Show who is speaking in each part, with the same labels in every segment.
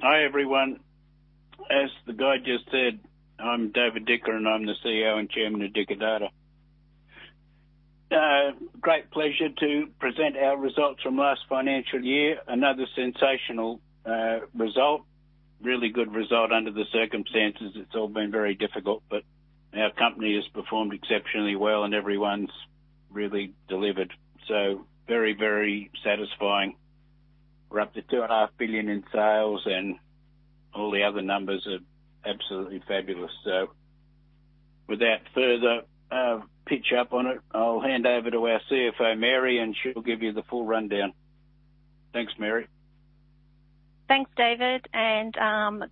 Speaker 1: Hi, everyone. As the guy jt said, I'm David Dicker, and I'm the CEO and Chairman of Dicker Data. Great pleasure to present our results from last financial. Another sensational result, really good result under the circumstances. It's all been very difficult, but our company has performed exceptionally well and everyone's really delivered. Very, very satisfying. We're up to 2.5 billion in sales, and all the other numbers are absolutely fabulous. Without further ado, I'll hand over to our CFO, Mary, and she will give you the full rundown. Thanks, Mary.
Speaker 2: Thanks, David.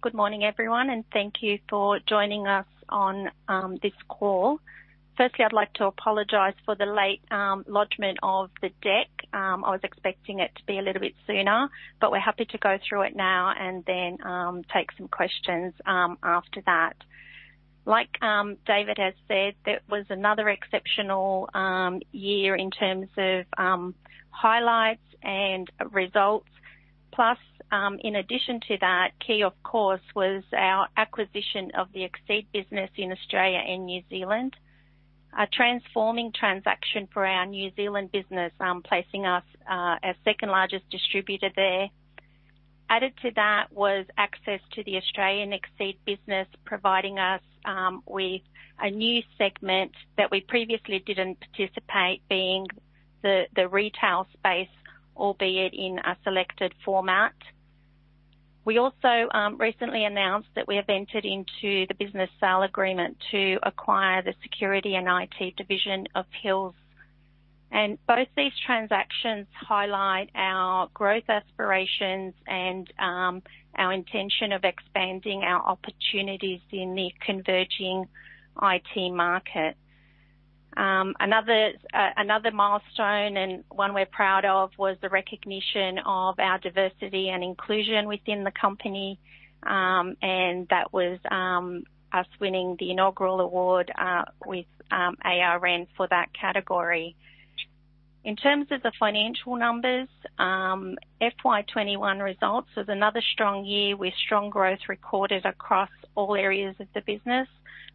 Speaker 2: Good morning, everyone, and thank you for joining us on this call. Firstly, I'd like to apologize for the late lodgment of the deck. I was expecting it to be a little bit sooner, but we're happy to go through it now and then take some questions after that. Like David has said, that was another exceptional year in terms of highlights and results. Plus, in addition to that, key of course, was our acquisition of the Exeed business in Australia and New Zealand. A transforming transaction for our New Zealand business, placing us as second largest distributor there. Added to that was access to the Australian Exeed business, providing us with a new segment that we previously didn't participate, being the retail space, albeit in a selected format. We also recently announced that we have entered into the business sale agreement to acquire the security and IT division of Hills. Both these transactions highlight our growth aspirations and our intention of expanding our opportunities in the converging IT market. Another milestone and one we're proud of was the recognition of our diversity and inclusion within the company. That was us winning the inaugural award with ARN for that category. In terms of the financial numbers, FY 2021 results was another strong year with strong growth recorded across all areas of the business.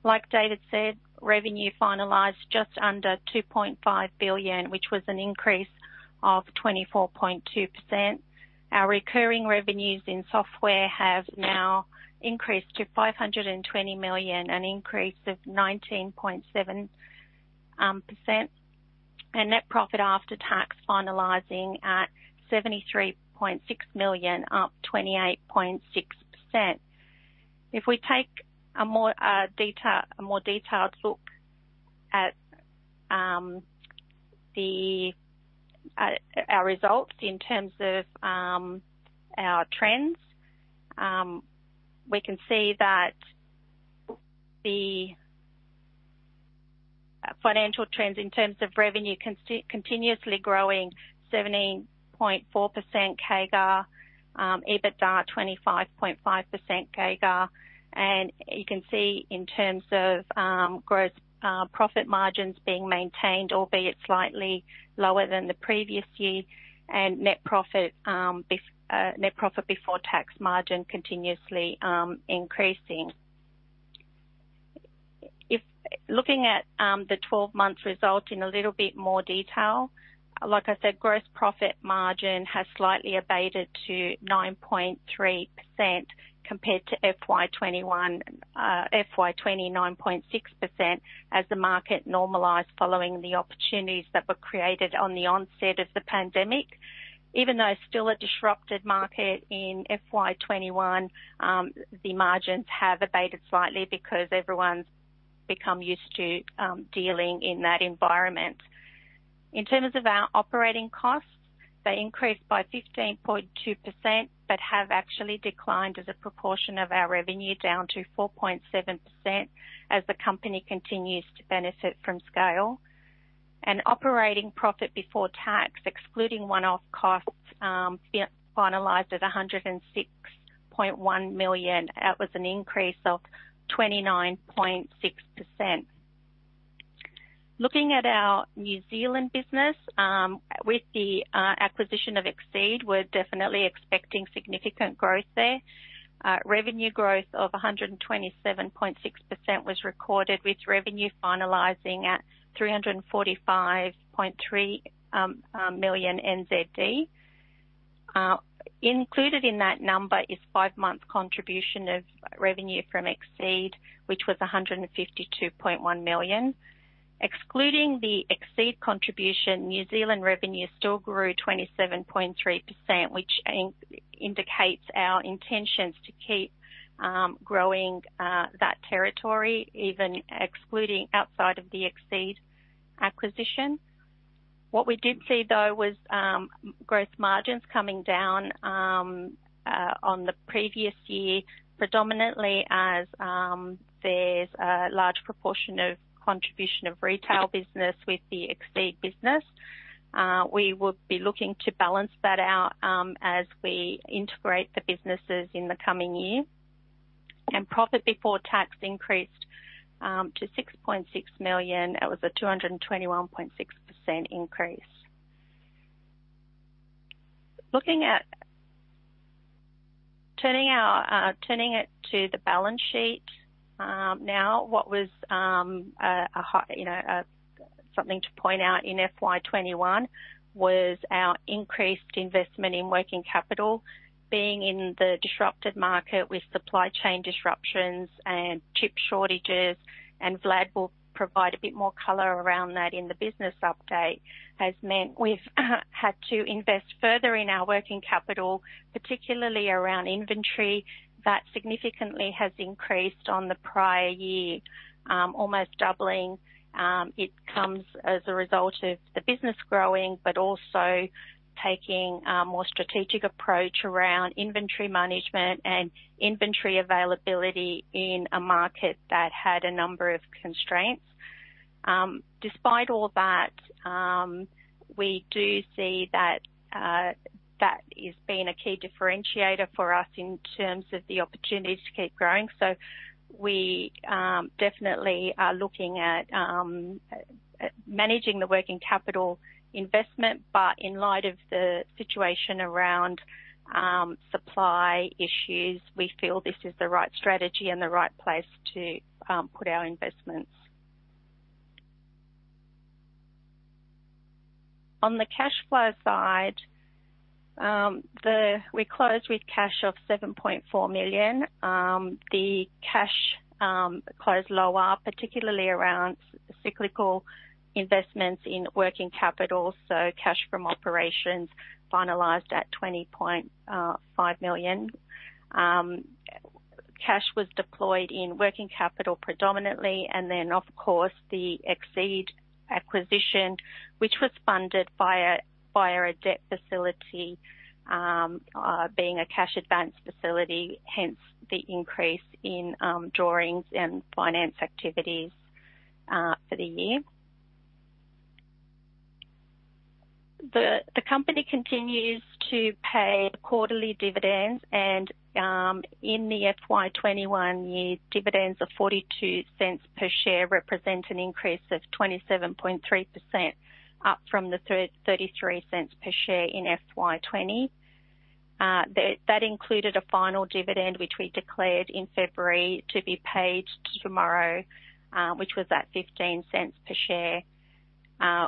Speaker 2: Like David said, revenue finalized just under 2.5 billion, which was an increase of 24.2%. Our recurring revenues in software have now increased to 520 million, an increase of 19.7%. Net profit after tax finalizing at 73.6 million, up 28.6%. If we take a more detailed look at our results in terms of our trends, we can see that the financial trends in terms of revenue continuously growing 17.4% CAGR, EBITDA 25.5% CAGR. You can see in terms of gross profit margins being maintained, albeit slightly lower than the previous year, and net profit before tax margin continuously increasing. Looking at the 12-month result in a little bit more detail, like I said, gross profit margin has slightly abated to 9.3% compared to FY 2021 29.6% as the market normalized following the opportunities that were created on the onset of the pandemic. Even though still a disrupted market in FY 2021, the margins have abated slightly because everyone's become used to dealing in that environment. In terms of our operating costs, they increased by 15.2% but have actually declined as a proportion of our revenue down to 4.7% as the company continues to benefit from scale. Operating profit before tax, excluding one-off costs, finalized at 106.1 million. That was an increase of 29.6%. Looking at our New Zealand business, with the acquisition of Exeed, we're definitely expecting significant growth there. Revenue growth of 127.6% was recorded, with revenue finalizing at 345.3 million NZD. Included in that number is five-month contribution of revenue from Exeed, which was 152.1 million NZD. Excluding the Exeed contribution, New Zealand revenue still grew 27.3%, which indicates our intentions to keep growing that territory, even excluding outside of the Exeed acquisition. What we did see, though, was gross margins coming down on the previous year, predominantly because there's a large proportion of contribution of retail business with the Exeed business. We will be looking to balance that out as we integrate the businesses in the coming year. Profit before tax increased to 6.6 million. That was a 221.6% increase. Turning to the balance sheet. Now what was a high, something to point out in FY 2021 was our increased investment in working capital. Being in the disrupted market with supply chain disruptions and chip shortages, and Vlad will provide a bit more color around that in the business update, has meant we've had to invest further in our working capital, particularly around inventory that significantly has increased on the prior year, almost doubling. It comes as a result of the business growing but also taking a more strategic approach around inventory management and inventory availability in a market that had a number of constraints. Despite all that, we do see that has been a key differentiator for us in terms of the opportunity to keep growing. We definitely are looking at managing the working capital investment. In light of the situation around supply issues, we feel this is the right strategy and the right place to put our investments. On the cash flow side, we closed with cash of 7.4 million. The cash closed lower, particularly around cyclical investments in working capital, so cash from operations finalized at 20.5 million. Cash was deployed in working capital predominantly, and then of course, the Exeed acquisition, which was funded via a debt facility, being a cash advance facility, hence the increase in drawings and finance activities for the year. The company continues to pay the ly dividends and, in the FY 2021 year, dividends of 0.42 per share represent an increase of 27.3%, up from the 0.33 per share in FY 2020. That included a final dividend which we declared in February to be paid tomorrow, which was at 0.15 per share.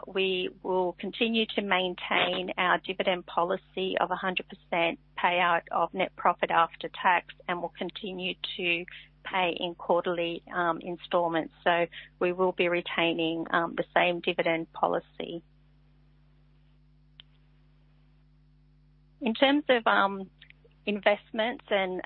Speaker 2: We will continue to maintain our dividend policy of a 100% payout of net profit after tax, and we'll continue to pay in quarterly installments. We will be retaining the same dividend policy. In terms of investments and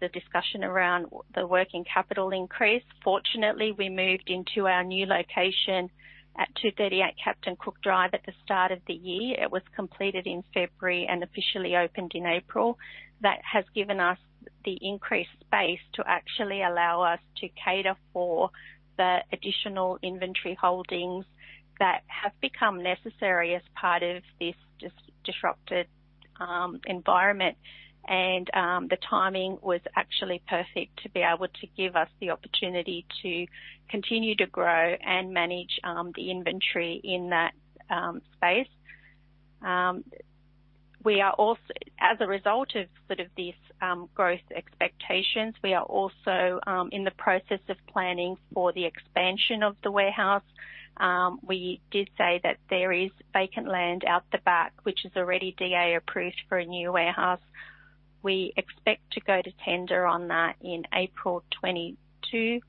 Speaker 2: the discussion around the working capital increase. Fortunately, we moved into our new location at 238 Captain Cook Drive at the start of the year. It was completed in February and officially opened in April. That has given us the increased space to actually allow us to cater for the additional inventory holdings that have become necessary as part of this disrupted environment. The timing was actually perfect to be able to give us the opportunity to continue to grow and manage the inventory in that space. We are also, as a result of sort of these growth expectations, in the process of planning for the expansion of the warehouse. We did say that there is vacant land out the back, which is already DA approved for a new warehouse. We expect to go to tender on that in April 2022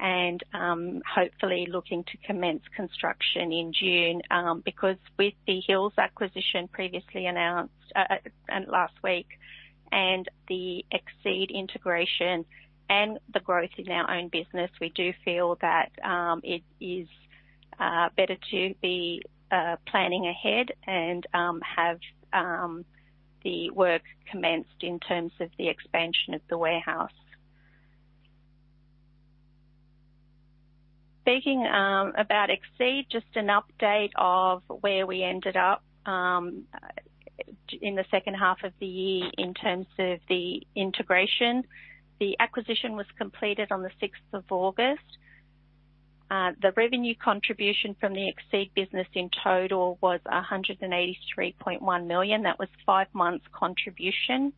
Speaker 2: and hopefully looking to commence construction in June. Because with the Hills acquisition previously announced and last week, and the Exeed integration and the growth in our own business, we do feel that it is better to be planning ahead and have the work commenced in terms of the expansion of the warehouse. Speaking about Exeed, just an update of where we ended up in the second half of the year in terms of the integration. The acquisition was completed on the sixth of August. The revenue contribution from the Exeed business in total was 183.1 million. That was five months contribution.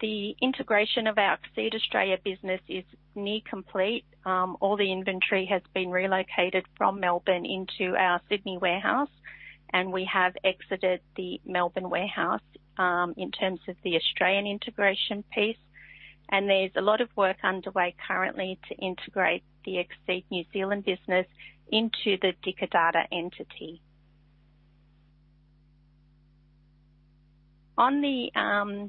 Speaker 2: The integration of our Exeed Australia business is near complete. All the inventory has been relocated from Melbourne into our Sydney warehouse and we have exited the Melbourne warehouse in terms of the Australian integration piece. There's a lot of work underway currently to integrate the Exeed New Zealand business into the Dicker Data entity. On the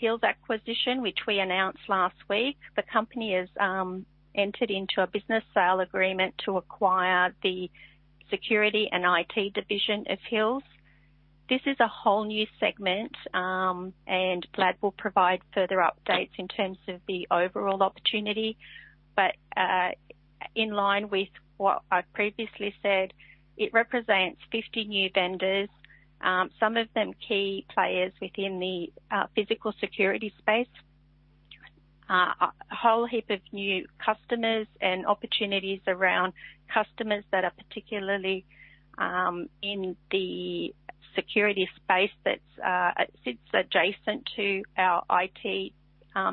Speaker 2: Hills acquisition, which we announced last week, the company has entered into a business sale agreement to acquire the security and IT division of Hills. This is a whole new segment, and Vlad will provide further updates in terms of the overall opportunity. In line with what I previously said, it represents 50 new vendors, some of them key players within the physical security space. A whole heap of new customers and opportunities around customers that are particularly in the security space that sits adjacent to our IT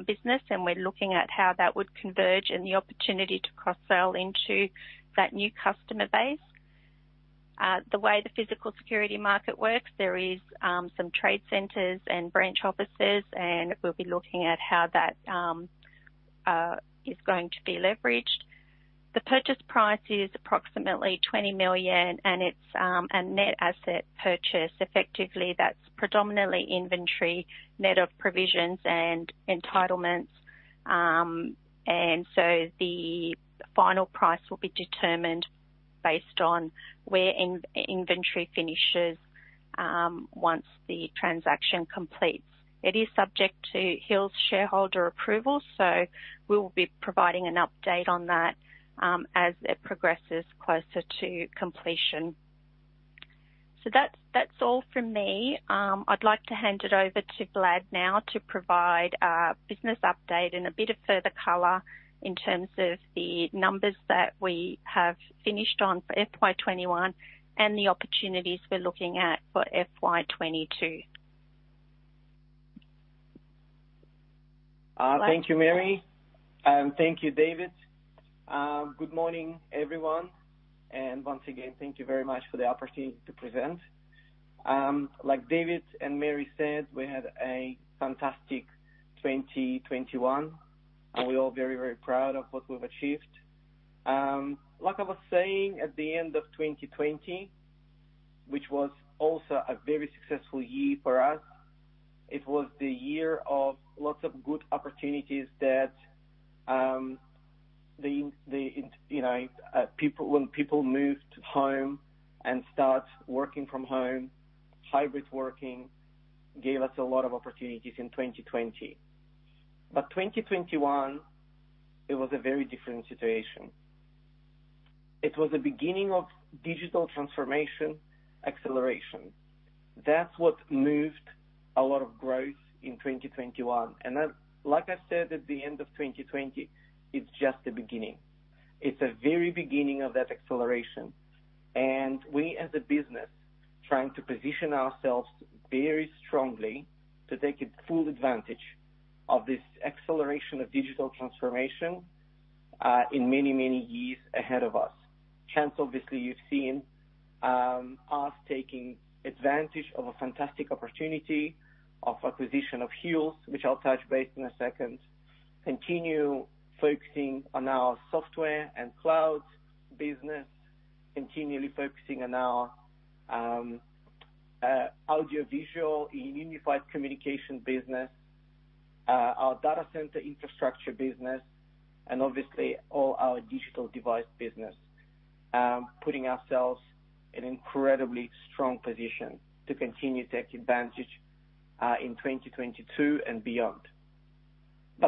Speaker 2: business, and we're looking at how that would converge and the opportunity to cross-sell into that new customer base. The way the physical security market works, there is some trade centers and branch offices, and we'll be looking at how that is going to be leveraged. The purchase price is approximately 20 million, and it's a net asset purchase. Effectively, that's predominantly inventory, net of provisions and entitlements. The final price will be determined based on where inventory finishes once the transaction completes. It is subject to Hills' shareholder approval, so we will be providing an update on that as it progresses closer to completion. That's all from me. I'd like to hand it over to Vlad now to provide a business update and a bit of further color in terms of the numbers that we have finished on for FY 2021 and the opportunities we're looking at for FY 2022.
Speaker 3: Thank you, Mary, and thank you, David. Good morning, everyone, and once again, thank you very much for the opportunity to present. Like David and Mary said, we had a fantastic 2021, and we're all very, very proud of what we've achieved. Like I was saying at the end of 2020, which was also a very successful year for us, it was the year of lots of good opportunities that the people when people moved home and start working from home, hybrid working gave us a lot of opportunities in 2020. 2021, it was a very different situation. It was the beginning of digital transformation acceleration. That's what moved a lot of growth in 2021. Like I said at the end of 2020, it's just the beginning. It's a very beginning of that acceleration. We as a business trying to position ourselves very strongly to take full advantage of this acceleration of digital transformation in many, many years ahead of us. Chance, obviously, you've seen us taking advantage of a fantastic opportunity of acquisition of Hills, which I'll touch base in a second. Continue focusing on our software and cloud business, continually focusing on our audio-visual in unified communication business, our data center infrastructure business, and obviously all our digital device business, putting ourselves in incredibly strong position to continue to take advantage in 2022 and beyond.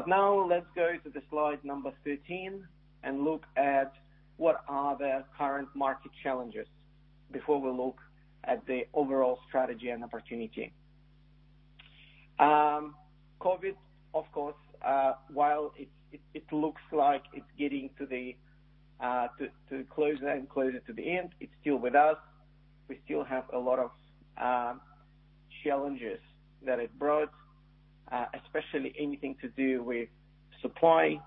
Speaker 3: Now let's go to the slide number 13 and look at what are the current market challenges before we look at the overall strategy and opportunity. COVID, of course, while it looks like it's getting closer and closer to the end, it's still with us. We still have a lot of challenges that it brought, especially anything to do with supply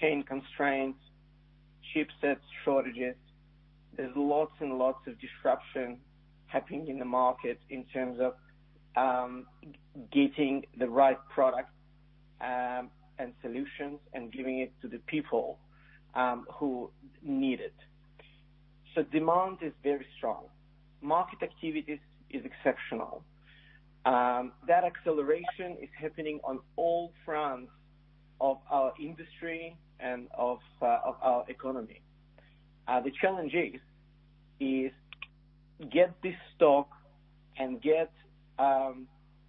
Speaker 3: chain constraints, chipset shortages. There's lots and lots of disruption happening in the market in terms of getting the right product and solutions and giving it to the people who need it. Demand is very strong. Market activities is exceptional. That acceleration is happening on all fronts of our industry and of our economy. The challenge is to get this stock and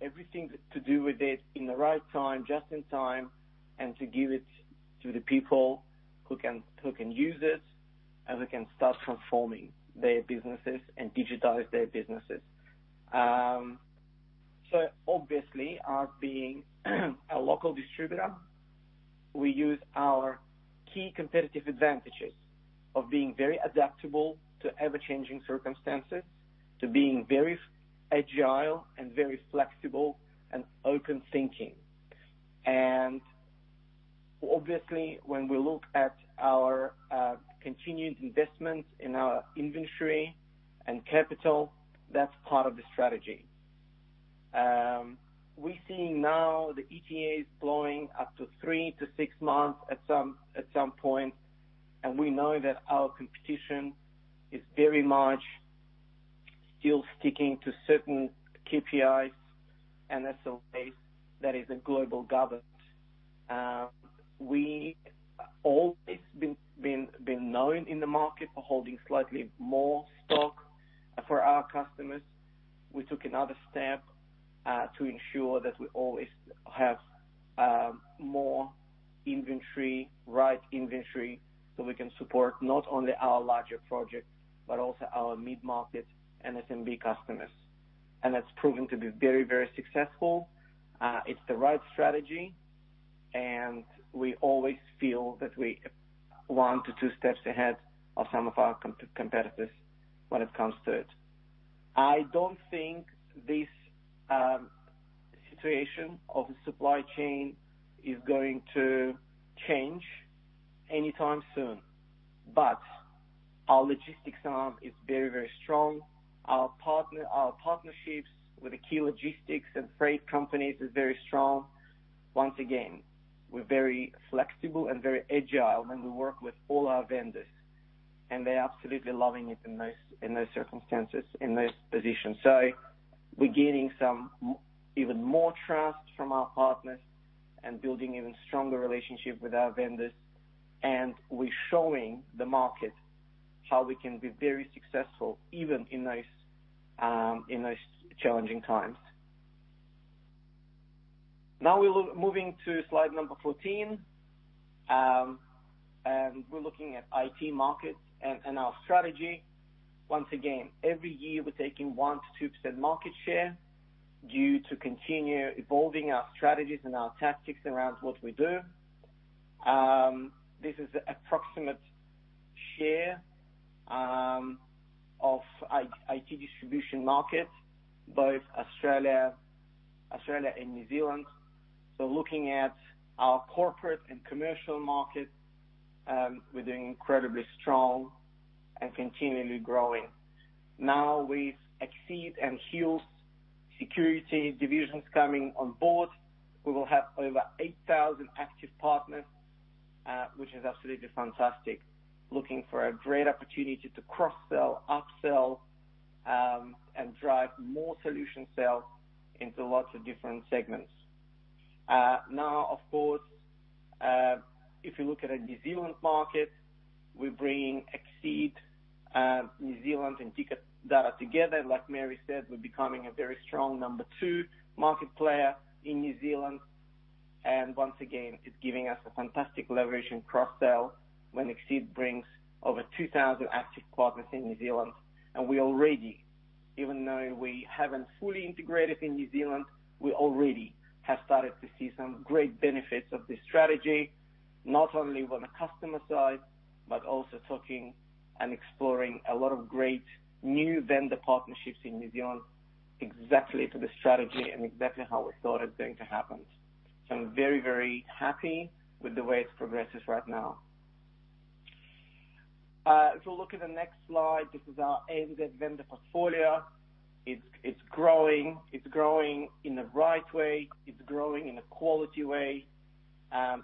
Speaker 3: everything to do with it in the right time, just in time, and to give it to the people who can use it, and who can start transforming their businesses and digitize their businesses. Obviously us being a local distributor, we use our key competitive advantages of being very adaptable to ever-changing circumstances, to being very agile and very flexible and open thinking. Obviously, when we look at our continued investments in our inventory and capital, that's part of the strategy. We're seeing now the ETAs blowing up to three to six months at some point, and we know that our competition is very much still sticking to certain KPIs and SLAs that is globally governed. We always been known in the market for holding slightly more stock. For our customers, we took another step to ensure that we always have more inventory, right inventory, so we can support not only our larger projects but also our mid-market and SMB customers. That's proven to be very, very successful. It's the right strategy, and we always feel that we are one to two steps ahead of some of our competitors when it comes to it. I don't think this situation of the supply chain is going to change anytime soon. Our logistics arm is very, very strong. Our partnerships with the key logistics and freight companies is very strong. Once again, we're very flexible and very agile when we work with all our vendors, and they're absolutely loving it in those circumstances, in those positions. We're gaining some even more trust from our partners and building even stronger relationship with our vendors. We're showing the market how we can be very successful even in those challenging times. Now we're moving to slide number 14. We're looking at IT markets and our strategy. Once again, every year we're taking 1%-2% market share by continuing to evolve our strategies and our tactics around what we do. This is approximate share of IT distribution market, both Australia and New Zealand. Looking at our corporate and commercial market, we're doing incredibly strong and continually growing. Now with Exeed and Hills security divisions coming on board, we will have over 8,000 active partners, which is absolutely fantastic, looking for a great opportunity to cross-sell, up-sell, and drive more solution sales into lots of different segments. Now, of course, if you look at a New Zealand market, we're bringing Exeed New Zealand and Dicker Data together. Like Mary said, we're becoming a very strong number 2 market player in New Zealand. Once again, it's giving us a fantastic leverage and cross-sell when Exeed brings over 2,000 active partners in New Zealand. We already, even though we haven't fully integrated in New Zealand, we already have started to see some great benefits of this strategy, not only on the customer side, but also talking and exploring a lot of great new vendor partnerships in New Zealand exactly to the strategy and exactly how we thought it's going to happen. I'm very, very happy with the way it progresses right now. If you look at the next slide, this is our vendor portfolio. It's growing in the right way, it's growing in a quality way.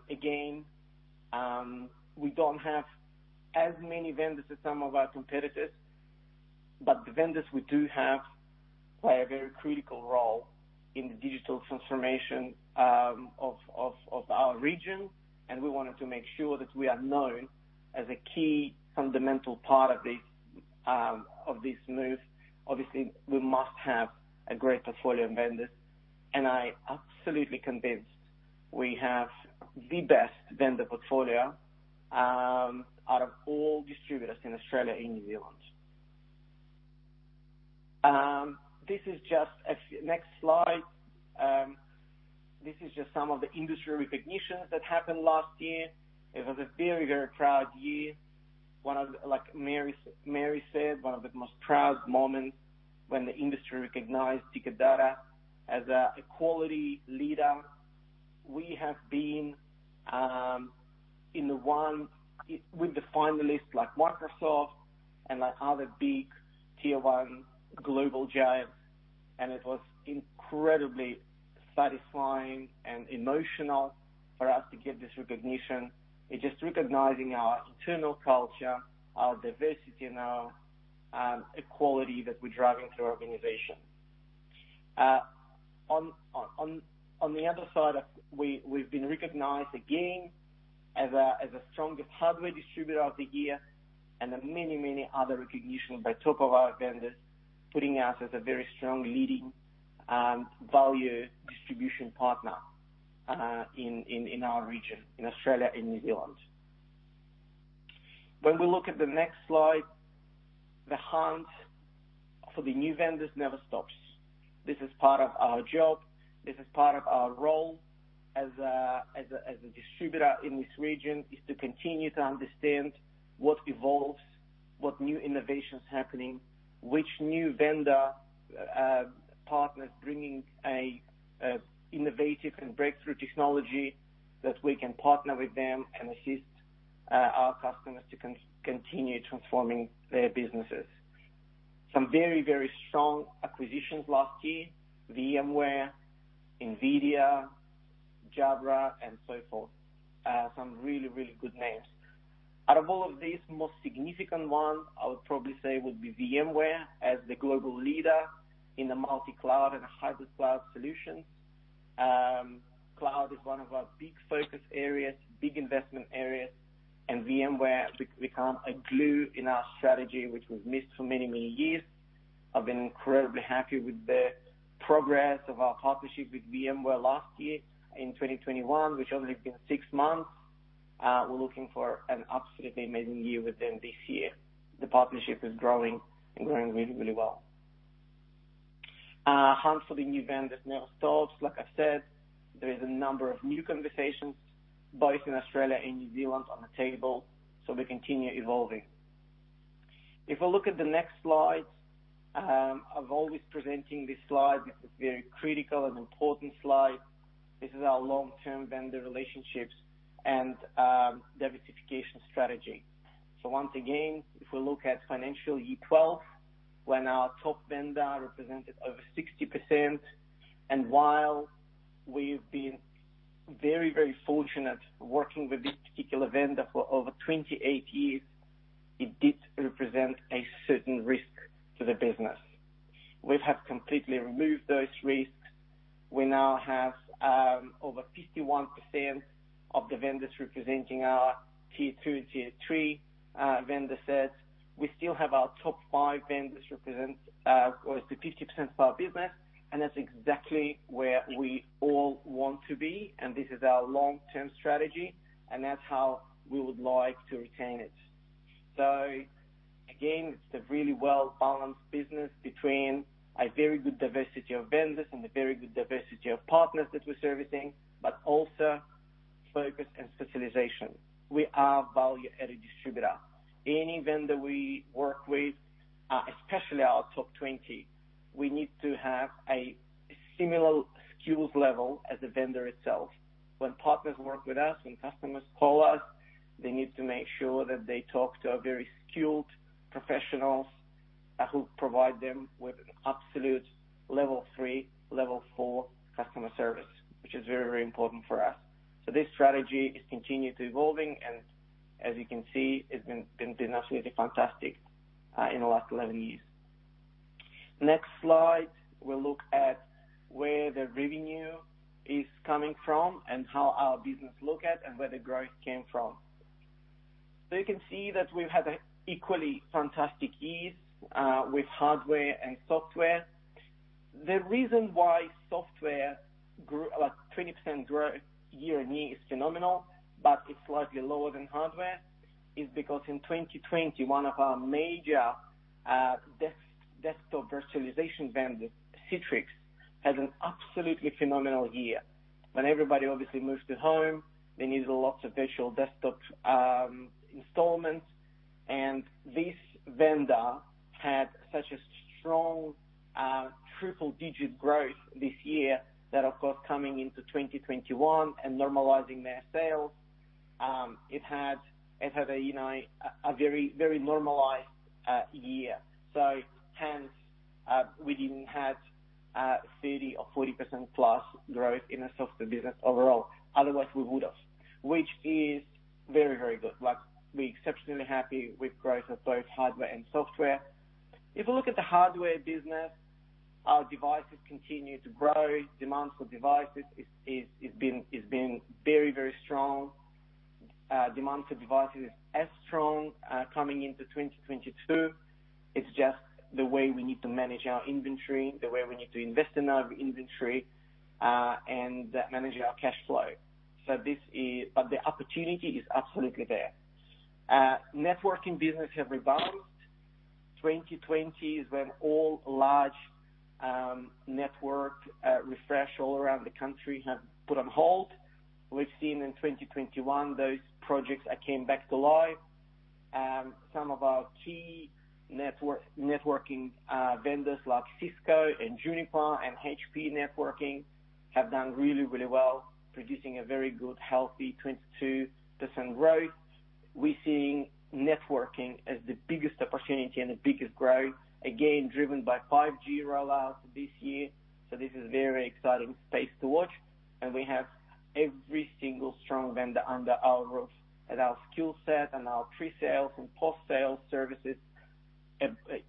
Speaker 3: Again, we don't have as many vendors as some of our competitors, but the vendors we do have play a very critical role in the digital transformation of our region. We wanted to make sure that we are known as a key fundamental part of this, of this move. Obviously, we must have a great portfolio of vendors, and I'm absolutely convinced we have the best vendor portfolio out of all distributors in Australia and New Zealand. This is just a next slide. This is just some of the industry recognitions that happened last year. It was a very, very proud year. One of the, like Mary said, one of the most proud moments when the industry recognized Dicker Data as a quality leader. We have been in the running with the finalists like Microsoft and like other big tier one global giants, and it was incredibly satisfying and emotional for us to get this recognition. It's just recognizing our internal culture, our diversity, and our equality that we're driving through our organization. On the other side, we've been recognized again as a strongest hardware distributor of the year and many other recognitions by our top vendors, putting us as a very strong leading value distribution partner in our region, in Australia and New Zealand. When we look at the next slide, the hunt for the new vendors never stops. This is part of our job, this is part of our role as a distributor in this region, is to continue to understand what evolves, what new innovations happening, which new vendor partners bringing a innovative and breakthrough technology that we can partner with them and assist our customers to continue transforming their businesses. Some very strong acquisitions last year,, NVIDIA, Jabra, and so forth. Some really good names. Out of all of these, most significant one, I would probably say, would be VMware as the global leader in the multi-cloud and hybrid cloud solutions. Cloud is one of our big focus areas, big investment areas, and VMware become a glue in our strategy, which was missed for many years. I've been incredibly happy with the progress of our partnership with VMware last year in 2021, which only been six months. We're looking for an absolutely amazing year with them this year. The partnership is growing and growing really well. Hunt for the new vendors never stops. Like I said, there is a number of new conversations both in Australia and New Zealand on the table, so we continue evolving. If we look at the next slide, I've always presenting this slide. This is very critical and important slide. This is our long-term vendor relationships and diversification strategy. Once again, if we look at financial year 12, when our top vendor represented over 60%, and while we've been very, very fortunate working with this particular vendor for over 28 years, it did represent a certain risk to the business. We have completely removed those risks. We now have over 51% of the vendors representing our tier two, tier three vendor sets. We still have our top five vendors represent or 50% of our business, and that's exactly where we all want to be. This is our long-term strategy, and that's how we would like to retain it. Again, it's a really well-balanced business between a very good diversity of vendors and a very good diversity of partners that we're servicing but also focus and specialization. We are a value-added distributor. Any vendor we work with, especially our top 20, we need to have a similar skills level as the vendor itself. When partners work with us, when customers call us, they need to make sure that they talk to very skilled professionals who provide them with an absolute level three, level four customer service, which is very, very important for us. This strategy continues to evolve, and as you can see, it's been absolutely fantastic in the last 11 years. Next slide, we'll look at where the revenue is coming from and how our business looks like and where the growth came from. You can see that we've had an equally fantastic year with hardware and software. The reason why software grew 20% year-on-year is phenomenal, but it's slightly lower than hardware, is because in 2020, one of our major desktop virtualization vendors, Citrix, had an absolutely phenomenal year. When everybody obviously moved to home, they needed lots of virtual desktop installations, and this vendor had such a strong triple-digit growth this year that, of course, coming into 2021 and normalizing their sales, it had a very, very normalized year. Hence, we didn't have 30% or 40% plus growth in the software business overall. Otherwise, we would've. Which is very, very good. Like, we're exceptionally happy with growth of both hardware and software. If you look at the hardware business, our devices continue to grow. Demand for devices has been very strong. Demand for devices is as strong coming into 2022. It's just the way we need to manage our inventory, the way we need to invest in our inventory, and manage our cash flow. The opportunity is absolutely there. Networking business has rebounded. 2020 is when all large network refreshes around the country were put on hold. We've seen in 2021, those projects have come back to life. Some of our key networking vendors like Cisco and Juniper and HP Networking have done really well, producing a very good, healthy 22% growth. We're seeing networking as the biggest opportunity and the biggest growth, again, driven by 5G rollout this year. This is very exciting space to watch, and we have every single strong vendor under our roof. Our skill set and our pre-sales and post-sales services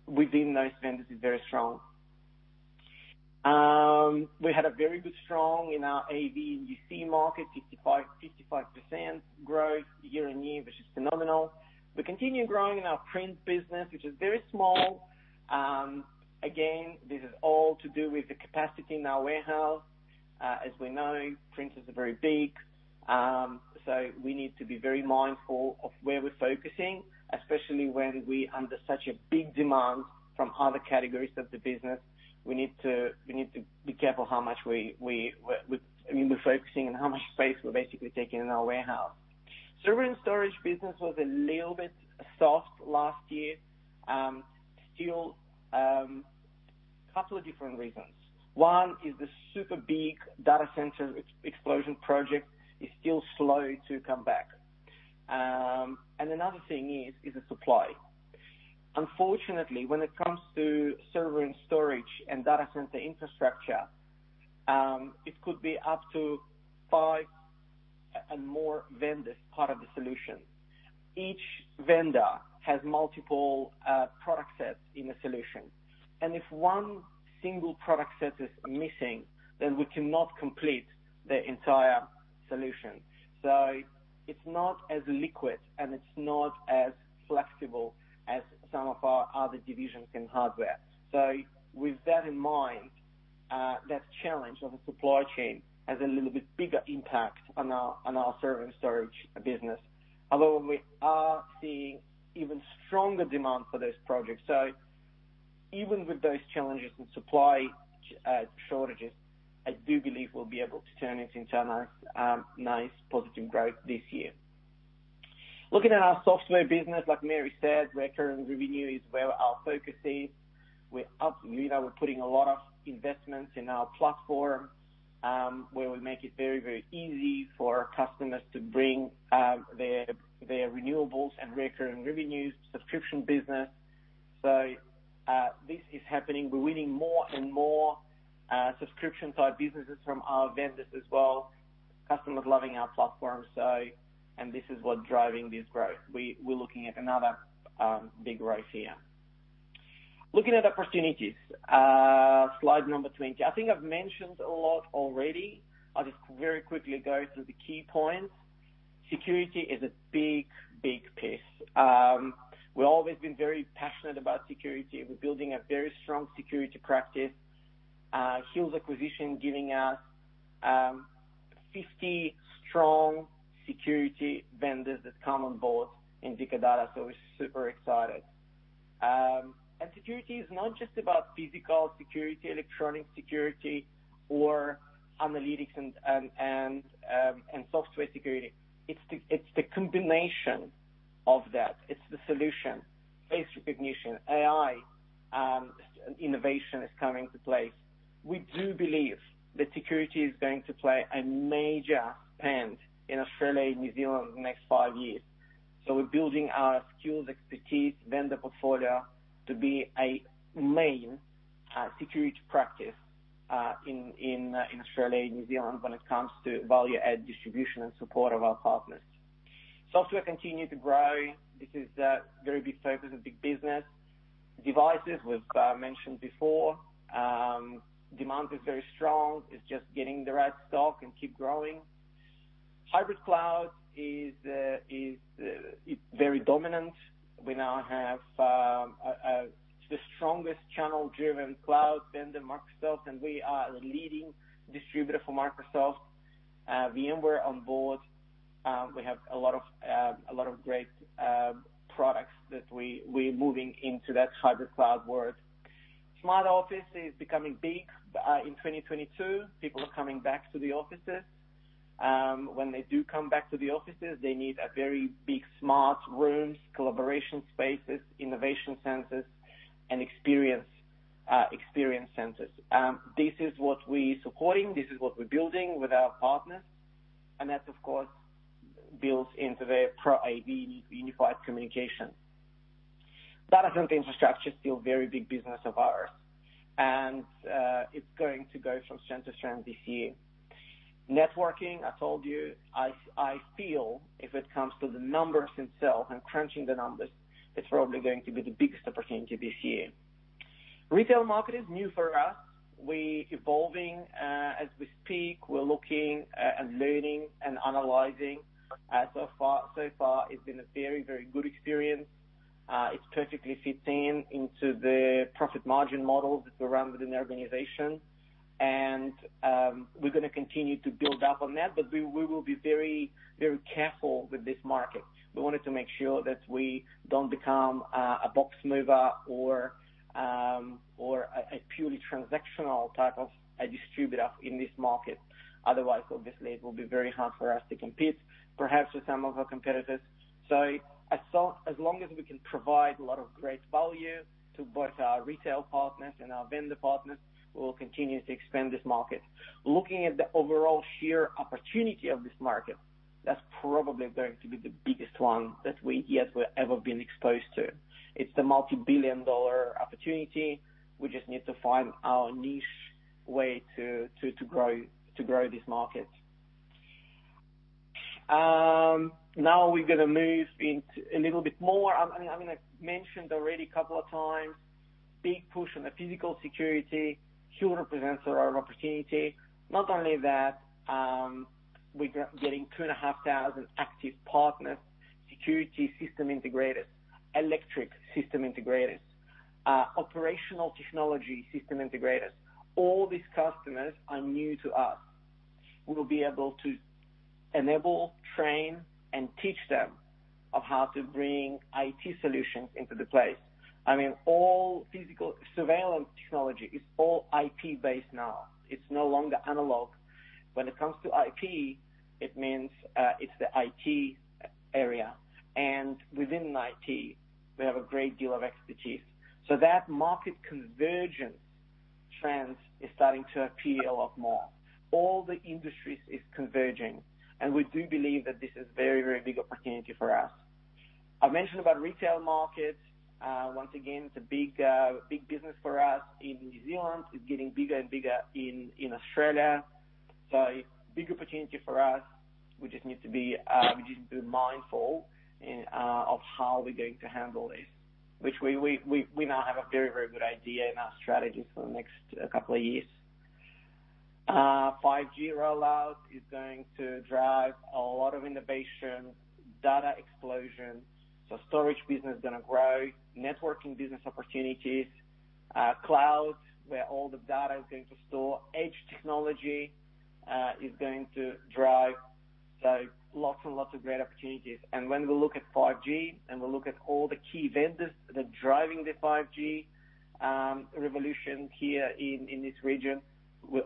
Speaker 3: within those vendors is very strong. We had a very strong in our AV and UC market, 55% growth year-on-year, which is phenomenal. We continue growing in our print business, which is very small. Again, this is all to do with the capacity in our warehouse. As we know, printers are very big, so we need to be very mindful of where we're focusing, especially when we're under such a big demand from other categories of the business. We need to be careful how much we've been focusing and how much space we're basically taking in our warehouse. Server and storage business was a little bit soft last year. Still, couple of different reasons. One is the super big data center explosion project is still slow to come back. Another thing is the supply. Unfortunately, when it comes to server and storage and data center infrastructure, it could be up to five and more vendors part of the solution. Each vendor has multiple product sets in a solution. And if one single product set is missing, then we cannot complete the entire solution. It's not as liquid and it's not as flexible as some of our other divisions in hardware. With that in mind, that challenge of a supply chain has a little bit bigger impact on our server and storage business. Although we are seeing even stronger demand for those projects. Even with those challenges and supply shortages, I do believe we'll be able to turn this into a nice positive growth this year. Looking at our software business, like Mary said, recurring revenue is where our focus is. We're absolutely now putting a lot of investments in our platform, where we make it very, very easy for our customers to bring their renewals and recurring revenues, subscription business. This is happening. We're winning more and more subscription type businesses from our vendors as well. Customers loving our platform, so this is what's driving this growth. We're looking at another big growth here. Looking at opportunities. Slide number 20. I think I've mentioned a lot already. I'll just very quickly go through the key points. Security is a big piece. We've always been very passionate about security. We're building a very strong security practice. Hills' acquisition giving us 50 strong security vendors that come on board in Victoria, so we're super excited. Security is not just about physical security, electronic security, or analytics and software security. It's the combination of that. It's the solution. Face recognition, AI, innovation is coming to play. We do believe that security is going to play a major part in Australia and New Zealand in the next five years. We're building our skills, expertise, vendor portfolio to be a main security practice in Australia and New Zealand when it comes to value add distribution and support of our partners. Software continue to grow. This is a very big focus, a big business. Devices, we've mentioned before. Demand is very strong. It's just getting the right stock and keep growing. Hybrid cloud is very dominant. We now have the strongest channel-driven cloud vendor, Microsoft, and we are a leading distributor for Microsoft. VMware on board. We have a lot of great products that we're moving into that hybrid cloud world. Smart office is becoming big in 2022. People are coming back to the offices. When they do come back to the offices, they need very big smart rooms, collaboration spaces, innovation centers, and experience centers. This is what we're supporting. This is what we're building with our partners. That, of course, builds into the pro AV unified communication. Data center infrastructure is still a very big business of ours. It's going to go from strength to strength this year. Networking, I told you, I feel if it comes to the numbers itself and crunching the numbers, it's probably going to be the biggest opportunity this year. Retail market is new for us. We're evolving as we speak. We're looking and learning and analyzing. So far, it's been a very good experience. It perfectly fits into the profit margin models that we run within the organization. We're gonna continue to build up on that, but we will be very careful with this market. We wanted to make sure that we don't become a box mover or a purely transactional type of a distributor in this market. Otherwise, obviously, it will be very hard for us to compete, perhaps with some of our competitors. As long as we can provide a lot of great value to both our retail partners and our vendor partners, we will continue to expand this market. Looking at the overall sheer opportunity of this market, that's probably going to be the biggest one that we've yet ever been exposed to. It's a multi-billion dollar opportunity. We just need to find our niche way to grow this market. Now we're gonna move into a little bit more. I'm gonna mention already a couple of times, big push on the physical security. Hills represents our opportunity. Not only that, we are getting 2,500 active partners, security system integrators, electric system integrators, operational technology system integrators. All these customers are new to us. We will be able to enable, train, and teach them of how to bring IT solutions into the space. I mean, all physical surveillance technology is all IP-based now. It's no longer analog. When it comes to IT, it means it's the IT area. Within IT, we have a great deal of expertise. That market convergence trend is starting to appear a lot more. All the industries is converging, and we do believe that this is very, very big opportunity for us. I mentioned about retail markets. Once again, it's a big business for us in New Zealand. It's getting bigger and bigger in Australia. Big opportunity for us. We just need to be mindful of how we're going to handle this. We now have a very good idea in our strategy for the next couple of years. 5G rollout is going to drive a lot of innovation, data explosion, so storage business is gonna grow, networking business opportunities, cloud, where all the data is going to store. Edge technology is going to drive. Lots and lots of great opportunities. When we look at 5G, and we look at all the key vendors that are driving the 5G revolution here in this region, we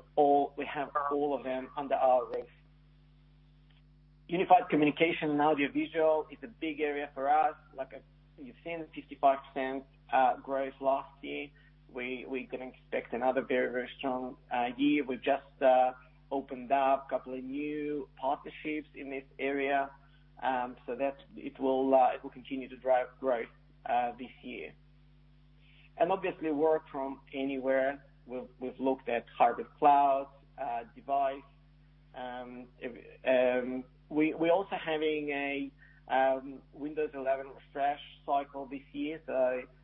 Speaker 3: have all of them under our roof. Unified Communication and Audio Visual is a big area for us. Like you've seen 55% growth last year. We can expect another very strong year. We've just opened up a couple of new partnerships in this area, so that it will continue to drive growth this year. Obviously work from anywhere. We've looked at hybrid cloud device. We also having a Windows 11 refresh cycle this year.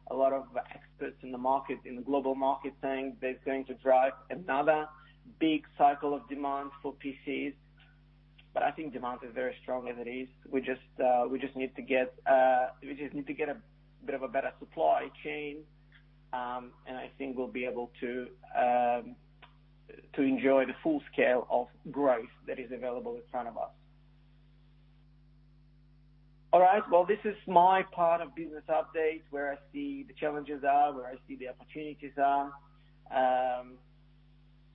Speaker 3: A lot of experts in the market, in the global market saying that's going to drive another big cycle of demand for PCs. I think demand is very strong as it is. We just need to get a bit of a better supply chain. I think we'll be able to enjoy the full scale of growth that is available in front of us. All right. Well, this is my part of business update, where I see the challenges are, where I see the opportunities are.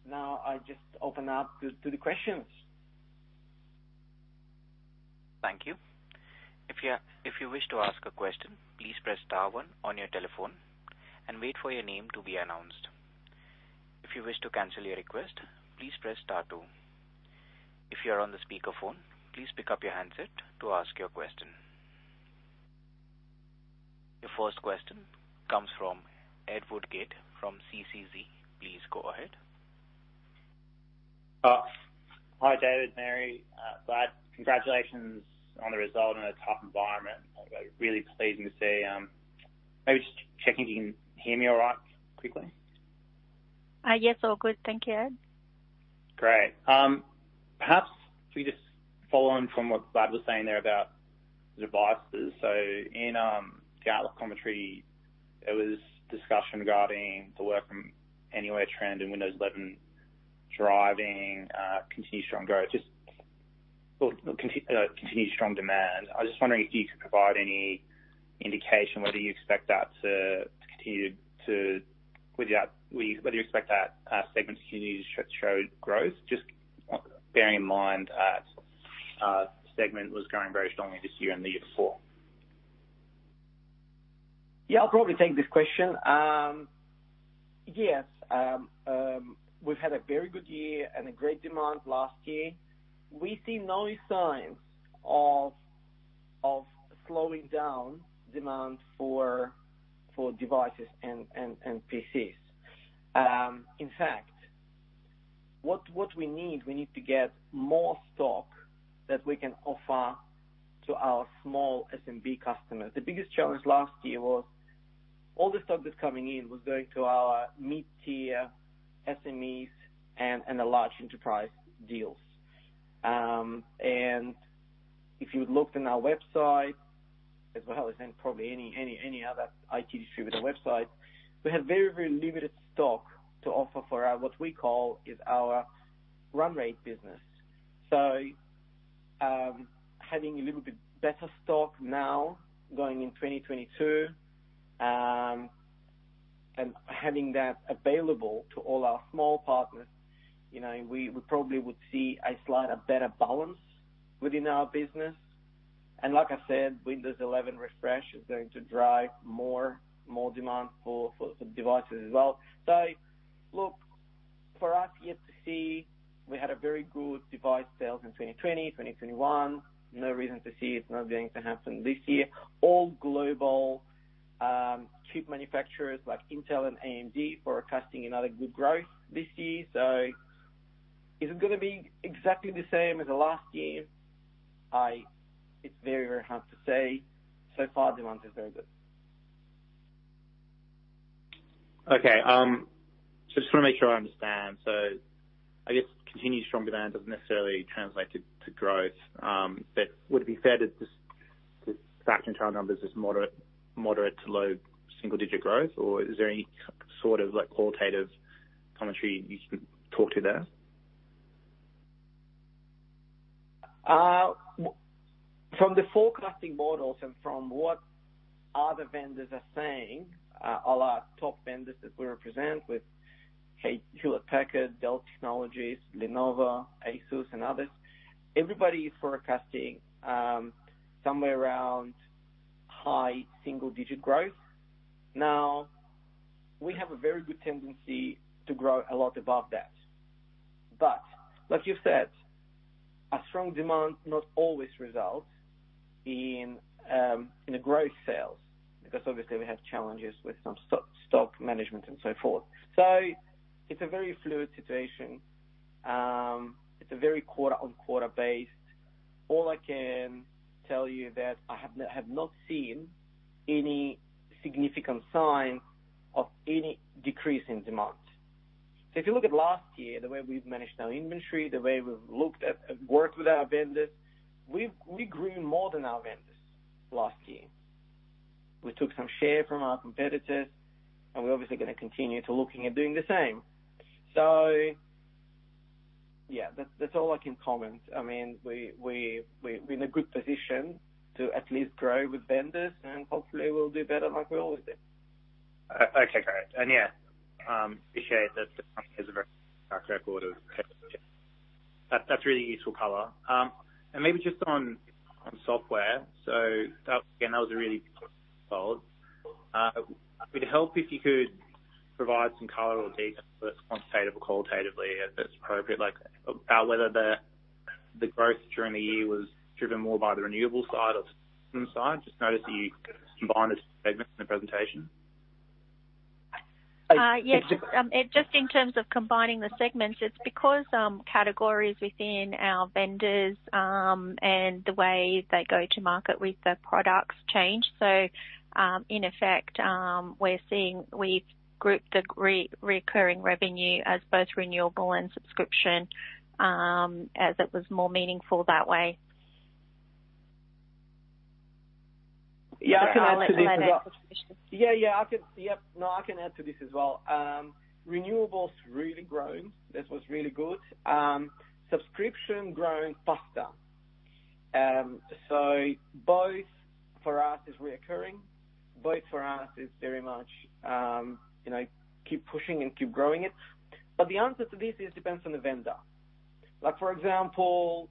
Speaker 3: Now I just open up to the questions.
Speaker 4: Thank you. If you wish to ask a question, please press star one on your telephone and wait for your name to be announced. If you wish to cancel your request, please press star two. If you are on the speaker phone, please pick up your handset to ask your question. Your first question comes from Edward Gato from CCZ. Please go ahead.
Speaker 5: Hi, David, Mary, Brad. Congratulations on the result in a tough environment. Really pleasing to see. Maybe just checking if you can hear me all right quickly.
Speaker 2: Yes, all good. Thank you, Ed.
Speaker 5: Great. Perhaps if we just follow on from what Vlad was saying there about the devices. In earlier commentary, there was discussion regarding the work from anywhere trend in Windows 11 driving continued strong growth. Just continued strong demand. I was just wondering if you could provide any indication whether you expect that segment to continue to show growth, just bearing in mind that segment was growing very strongly this year and the year before.
Speaker 3: Yeah, I'll probably take this question. Yes, we've had a very good year and a great demand last year. We see no signs of slowing down demand for devices and PCs. In fact, we need to get more stock that we can offer to our small SMB customers. The biggest challenge last year was all the stock that's coming in was going to our mid-tier SMEs and the large enterprise deals. If you looked on our website as well as in probably any other IT distributor website, we had very limited stock to offer for our what we call is our run rate business. Having a little bit better stock now going in 2022, and having that available to all our small partners, you know, we probably would see a slight better balance within our business. Like I said, Windows 11 refresh is going to drive more demand for devices as well. Look, it's yet to see, we had a very good device sales in 2020, 2021. No reason to see it's not going to happen this year. All global chip manufacturers like Intel and AMD are forecasting another good growth this year. Is it gonna be exactly the same as the last year? It's very hard to say. So far, demand is very good.
Speaker 5: Okay. I just wanna make sure I understand. I guess continued strong demand doesn't necessarily translate to growth. Would it be fair to just forecast the numbers as moderate to low single digit growth, or is there any sort of like qualitative commentary you can talk to there?
Speaker 3: From the forecasting models and from what other vendors are saying, all our top vendors that we represent with Hewlett Packard, Dell Technologies, Lenovo, ASUS, and others, everybody is forecasting somewhere around high single digit growth. Now, we have a very good tendency to grow a lot above that. Like you've said, a strong demand not always results in a growth in sales, because obviously we have challenges with some stock management and so forth. It's a very fluid situation. It's a very quarter-on-quarter based. All I can tell you that I have not seen any significant sign of any decrease in demand. If you look at last year, the way we've managed our inventory, the way we've looked at and worked with our vendors, we grew more than our vendors last year. We took some share from our competitors, and we're obviously gonna continue to look at doing the same. Yeah, that's all I can comment. I mean, we're in a good position to at least grow with vendors, and hopefully we'll do better like we always do.
Speaker 5: Okay, great. Yeah, appreciate that. That's really useful color. Maybe just on software. Would it help if you could provide some color or detail, but quantitatively or qualitatively if it's appropriate, like about whether the growth during the year was driven more by the perpetual side or subscription side? I just noticed that you combined the segments in the presentation.
Speaker 3: Uh-
Speaker 2: Yes. Just in terms of combining the segments, it's because categories within our vendors and the way they go to market with the products change. In effect, we're seeing we've grouped the recurring revenue as both renewable and subscription, as it was more meaningful that way.
Speaker 3: Yeah, I can add to this as well.
Speaker 2: If Vlad wants to add anything.
Speaker 3: I can add to this as well. Renewals really grown. This was really good. Subscription grown faster. Both for us is recurring. Both for us is very much, keep pushing and keep growing it. The answer to this is depends on the vendor. Like for example,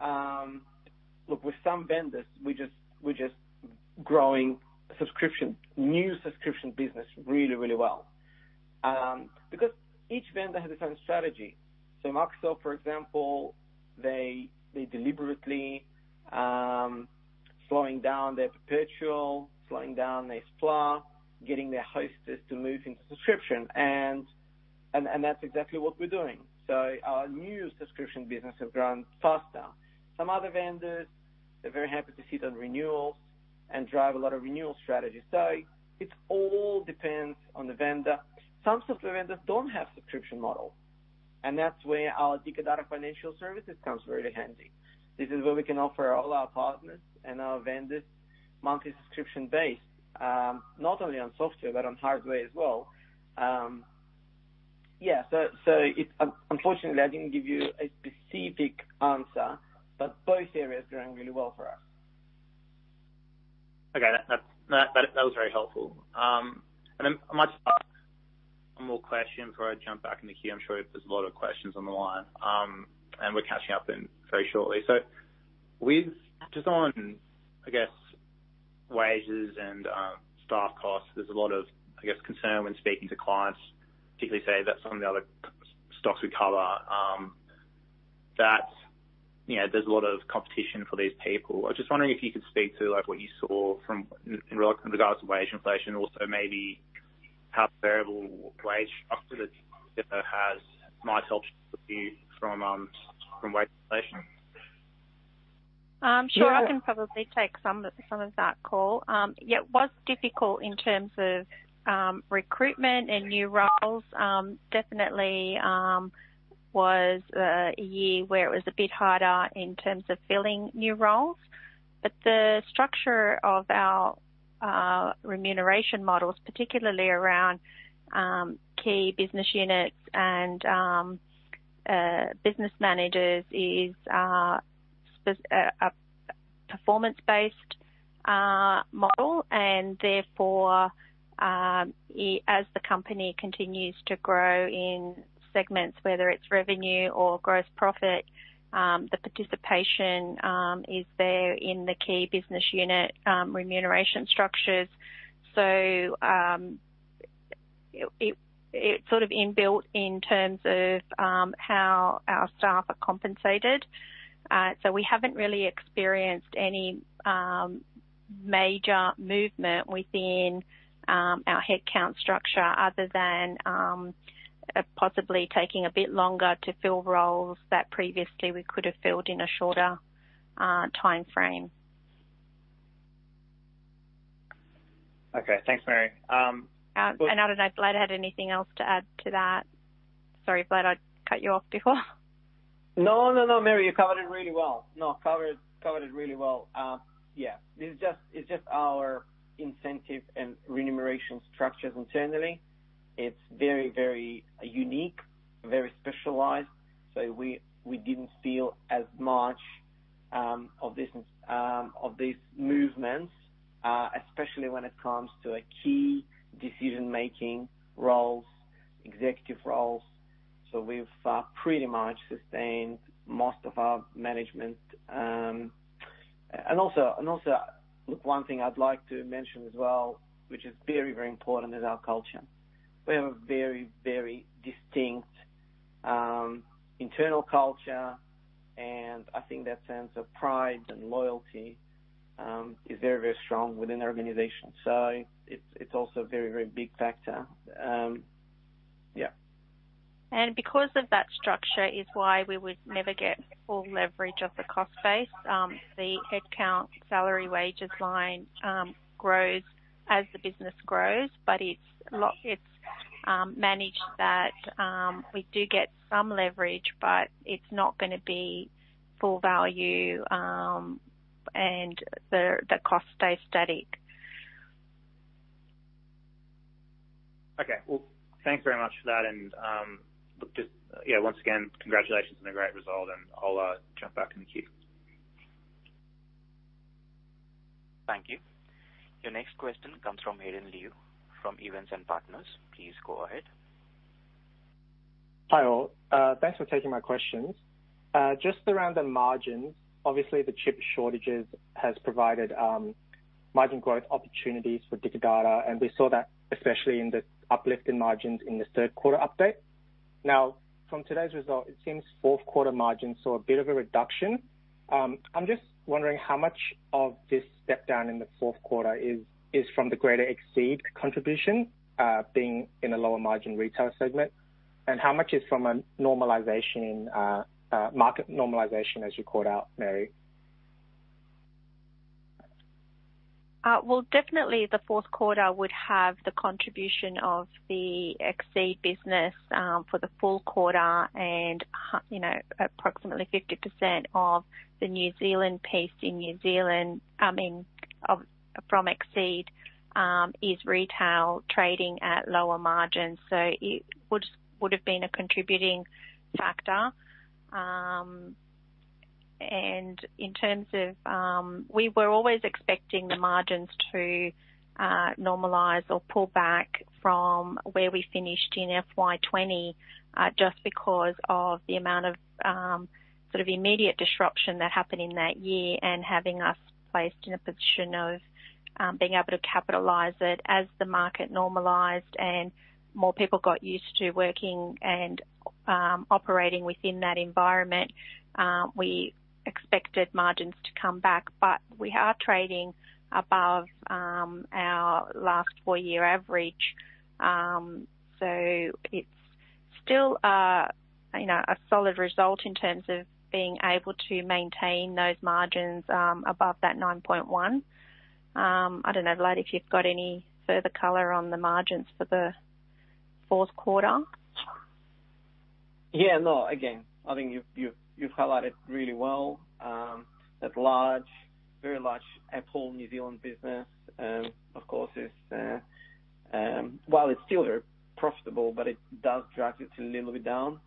Speaker 3: look, with some vendors, we just, we're just growing subscription, new subscription business really, really well, because each vendor has its own strategy. Microsoft, for example, they deliberately slowing down their perpetual, slowing down their SPLA, getting their hosters to move into subscription and that's exactly what we're doing. Our new subscription business have grown faster. Some other vendors, they're very happy to sit on renewals and drive a lot of renewal strategies. It's all depends on the vendor. Some software vendors don't have subscription model, and that's where our Dicker Data Financial Services comes very handy. This is where we can offer all our partners and our vendors monthly subscription base, not only on software but on hardware as well. Unfortunately, I didn't give you a specific answer, but both areas are doing really well for us.
Speaker 5: Okay. That was very helpful. Then I might ask one more question before I jump back in the queue. I'm sure there's a lot of questions on the line, and we're catching up then very shortly. Just on, I guess, wages and staff costs, there's a lot of, I guess, concern when speaking to clients, particularly say that some of the other stocks we cover, there's a lot of competition for these people. I'm just wondering if you could speak to like what you saw in regards to wage inflation and also maybe how variable wage structure that Dicker Data has might help you from wage inflation.
Speaker 2: Sure. I can probably take some of that call. Yeah, it was difficult in terms of recruitment and new roles. Definitely was a year where it was a bit harder in terms of filling new roles. The structure of our remuneration models, particularly around key business units and business managers is a performance-based model, and therefore as the company continues to grow in segments, whether it's revenue or gross profit, the participation is there in the key business unit remuneration structures. It sort of inbuilt in terms of how our staff are compensated. We haven't really experienced any major movement within our headcount structure other than possibly taking a bit longer to fill roles that previously we could have filled in a shorter timeframe.
Speaker 5: Okay. Thanks, Mary.
Speaker 2: I don't know if Vlad had anything else to add to that. Sorry, Vlad, I cut you off before.
Speaker 3: No, Mary, you covered it really well. This is just our incentive and remuneration structures internally. It's very, very unique, very specialized. We didn't feel as much of these movements, especially when it comes to key decision-making roles, executive roles. We've pretty much sustained most of our management. Also, look, one thing I'd like to mention as well, which is very, very important, is our culture. We have a very, very distinct internal culture, and I think that sense of pride and loyalty is very, very strong within the organization. It's also a very, very big factor.
Speaker 2: Because of that structure is why we would never get full leverage of the cost base. The headcount salary wages line grows as the business grows, but it's managed that we do get some leverage, but it's not gonna be full value, and the cost stays steady.
Speaker 5: Okay. Well, thanks very much for that. Just, yeah, once again, congratulations on a great result, and I'll jump back in the queue.
Speaker 4: Thank you. Your next question comes from Hayden Liu from Evans and Partners. Please go ahead.
Speaker 6: Hi all. Thanks for taking my questions. Just around the margins, obviously the chip shortages has provided margin growth opportunities for Dicker Data, and we saw that especially in the uplift in margins in the Q3update. Now, from today's result, it seems Q4 margins saw a bit of a reduction. I'm just wondering how much of this step down in the Q4 is from the greater Exeed contribution being in a lower margin retail segment, and how much is from a normalization market normalization, as you called out, Mary?
Speaker 2: Well, definitely the Q4 would have the contribution of the Exeed business for the full quarter. You know, approximately 50% of the New Zealand piece from Exeed is retail trading at lower margins. It would've been a contributing factor. In terms of, we were always expecting the margins to normalize or pull back from where we finished in FY 2020 just because of the amount of sort of immediate disruption that happened in that year and having us placed in a position of being able to capitalize it. As the market normalized and more people got used to working and operating within that environment, we expected margins to come back. We are trading above our last four-year average. It's still, a solid result in terms of being able to maintain those margins above that 9.1%. I don't know, Vlad, if you've got any further color on the margins for the Q4.
Speaker 3: Yeah, no. Again, I think you've highlighted really well that large, very large Apple New Zealand business, of course is, while it's still profitable, but it does drag it a little bit down.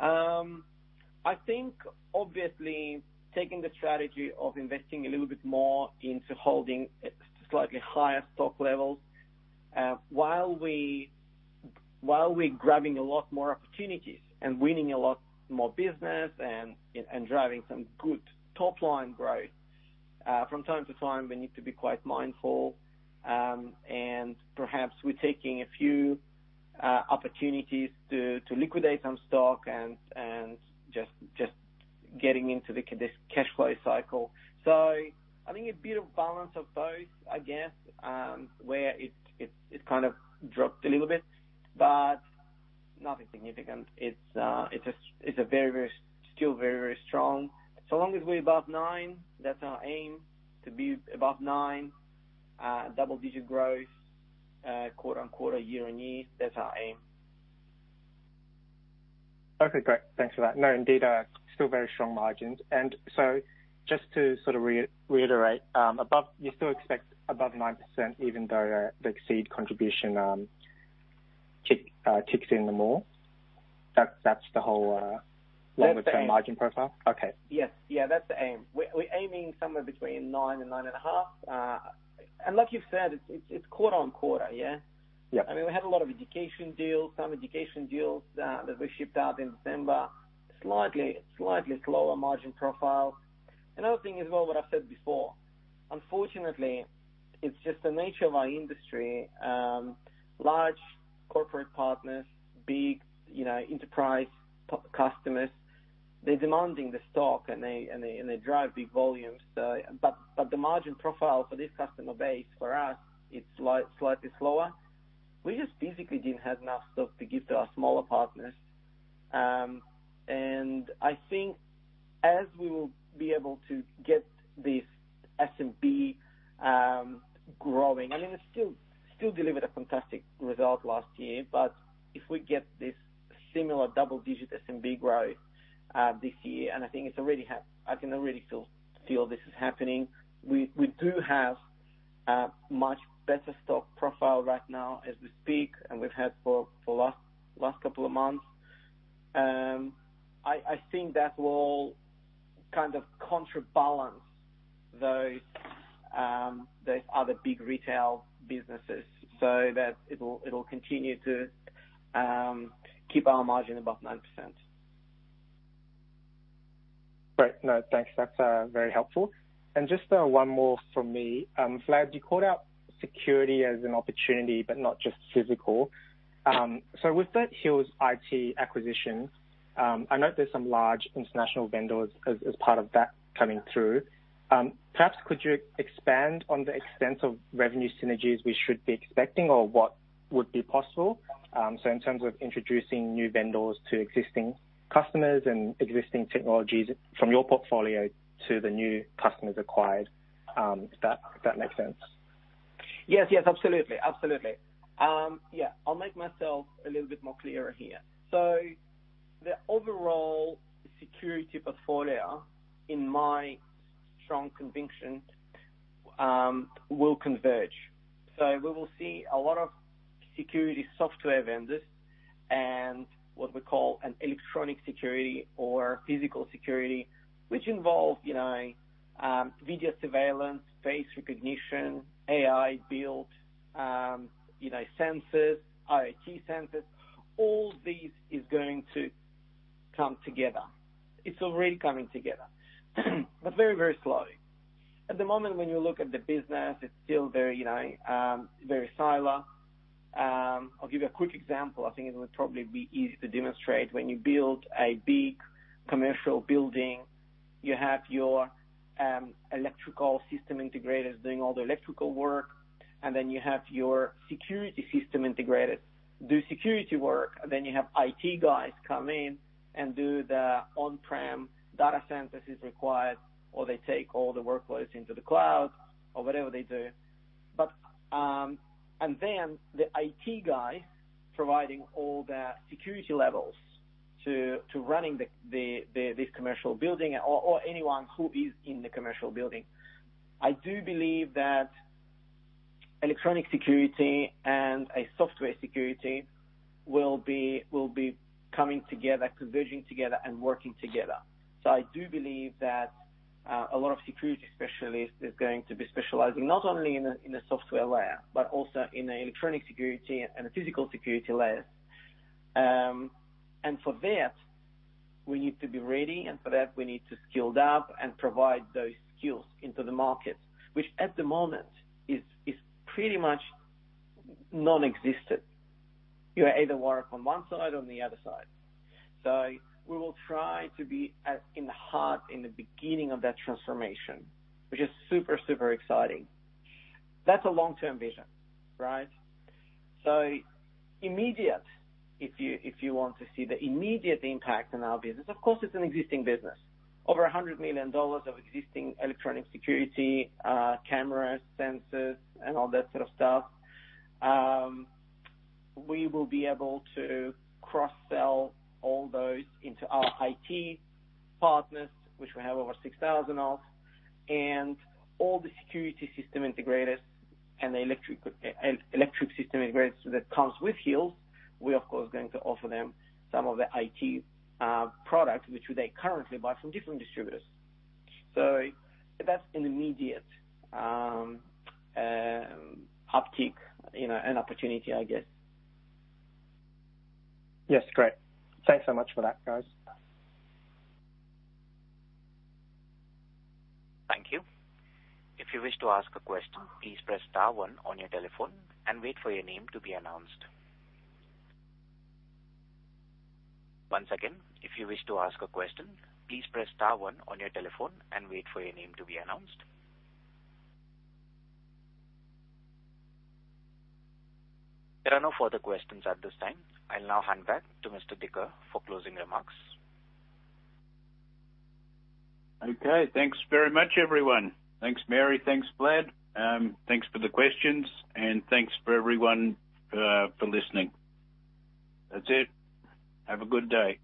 Speaker 3: I think obviously taking the strategy of investing a little bit more into holding slightly higher stock levels, while we're grabbing a lot more opportunities and winning a lot more business and driving some good top line growth, from time to time, we need to be quite mindful. And perhaps we're taking a few opportunities to liquidate some stock and just getting into this cash flow cycle. I think a bit of balance of both, I guess, where it kind of dropped a little bit, but nothing significant. It's very strong. Still very strong. Long as we're above 9%, that's our aim. To be above 9%, double-digit growth, quarter-on-quarter, year-on-year. That's our aim.
Speaker 6: Okay, great. Thanks for that. No, indeed, still very strong margins. Just to sort of reiterate, above, you still expect above 9% even though the Exeed contribution kicks in more? That's the whole.
Speaker 3: That's the aim.
Speaker 6: Longer term margin profile? Okay.
Speaker 3: Yes. Yeah, that's the aim. We're aiming somewhere between 9%-9.5%. Like you've said, it's quarter-over-quarter, yeah?
Speaker 6: Yeah.
Speaker 3: I mean, we had a lot of education deals. Some education deals that we shipped out in December. Slightly slower margin profile. Another thing as well, what I've said before, unfortunately, it's just the nature of our industry. Large corporate partners, big, enterprise PC customers, they're demanding the stock and they drive big volumes. The margin profile for this customer base for us, it's slightly slower. We just basically didn't have enough stock to give to our smaller partners. I think as we will be able to get this SMB growing, I mean, it's still delivered a fantastic result last year, but if we get this similar double-digit SMB growth this year, and I think it's already. I can already feel this is happening. We do have a much better stock profile right now as we speak and we've had for the last couple of months. I think that will kind of counterbalance those other big retail businesses, so that it'll continue to keep our margin above 9%.
Speaker 6: Great. No, thanks. That's very helpful. Just one more from me. Vlad, you called out security as an opportunity, but not just physical. With that Hills IT acquisition, I know there's some large international vendors as part of that coming through. Perhaps could you expand on the extent of revenue synergies we should be expecting or what would be possible, so in terms of introducing new vendors to existing customers and existing technologies from your portfolio to the new customers acquired, if that makes sense.
Speaker 3: Yes. Absolutely. Yeah, I'll make myself a little bit more clearer here. The overall security portfolio, in my strong conviction, will converge. We will see a lot of security software vendors and what we call an electronic security or physical security, which involve, video surveillance, face recognition, AI built, sensors, IoT sensors, all this is going to come together. It's already coming together, but very, very slowly. At the moment, when you look at the business, it's still very siloed. I'll give you a quick example. I think it would probably be easy to demonstrate. When you build a big commercial building, you have your electrical system integrators doing all the electrical work, and then you have your security system integrators do security work. You have IT guys come in and do the on-prem data centers is required, or they take all the workloads into the cloud or whatever they do. The IT guy providing all the security levels to running the this commercial building or anyone who is in the commercial building. I do believe that electronic security and a software security will be coming together, converging together, and working together. I do believe that a lot of security specialists is going to be specializing not only in a software layer, but also in a electronic security and a physical security layers. For that, we need to be ready, and for that, we need to skill up and provide those skills into the market, which at the moment is pretty much non-existent. You either work on one side or the other side. We will try to be at the heart, in the beginning of that transformation, which is super exciting. That's a long-term vision, right? Immediate, if you want to see the immediate impact on our business, of course, it's an existing business. Over 100 million dollars of existing electronic security cameras, sensors, and all that sort of stuff. We will be able to cross-sell all those into our IT partners, which we have over 6,000 of, and all the security system integrators and the electric system integrators that comes with Hills. We're of course going to offer them some of the IT products which they currently buy from different distributors. That's an immediate uptick, and opportunity, I guess.
Speaker 6: Yes. Great. Thanks so much for that, guys.
Speaker 4: Thank you. If you wish to ask a question, please press star one on your telephone and wait for your name to be announced. Once again, if you wish to ask a question, please press star one on your telephone and wait for your name to be announced. There are no further questions at this time. I'll now hand back to Mr. Dicker for closing remarks.
Speaker 1: Okay. Thanks very much, everyone. Thanks, Mary. Thanks, Vlad. Thanks for the questions, and thanks for everyone, for listening. That's it. Have a good day.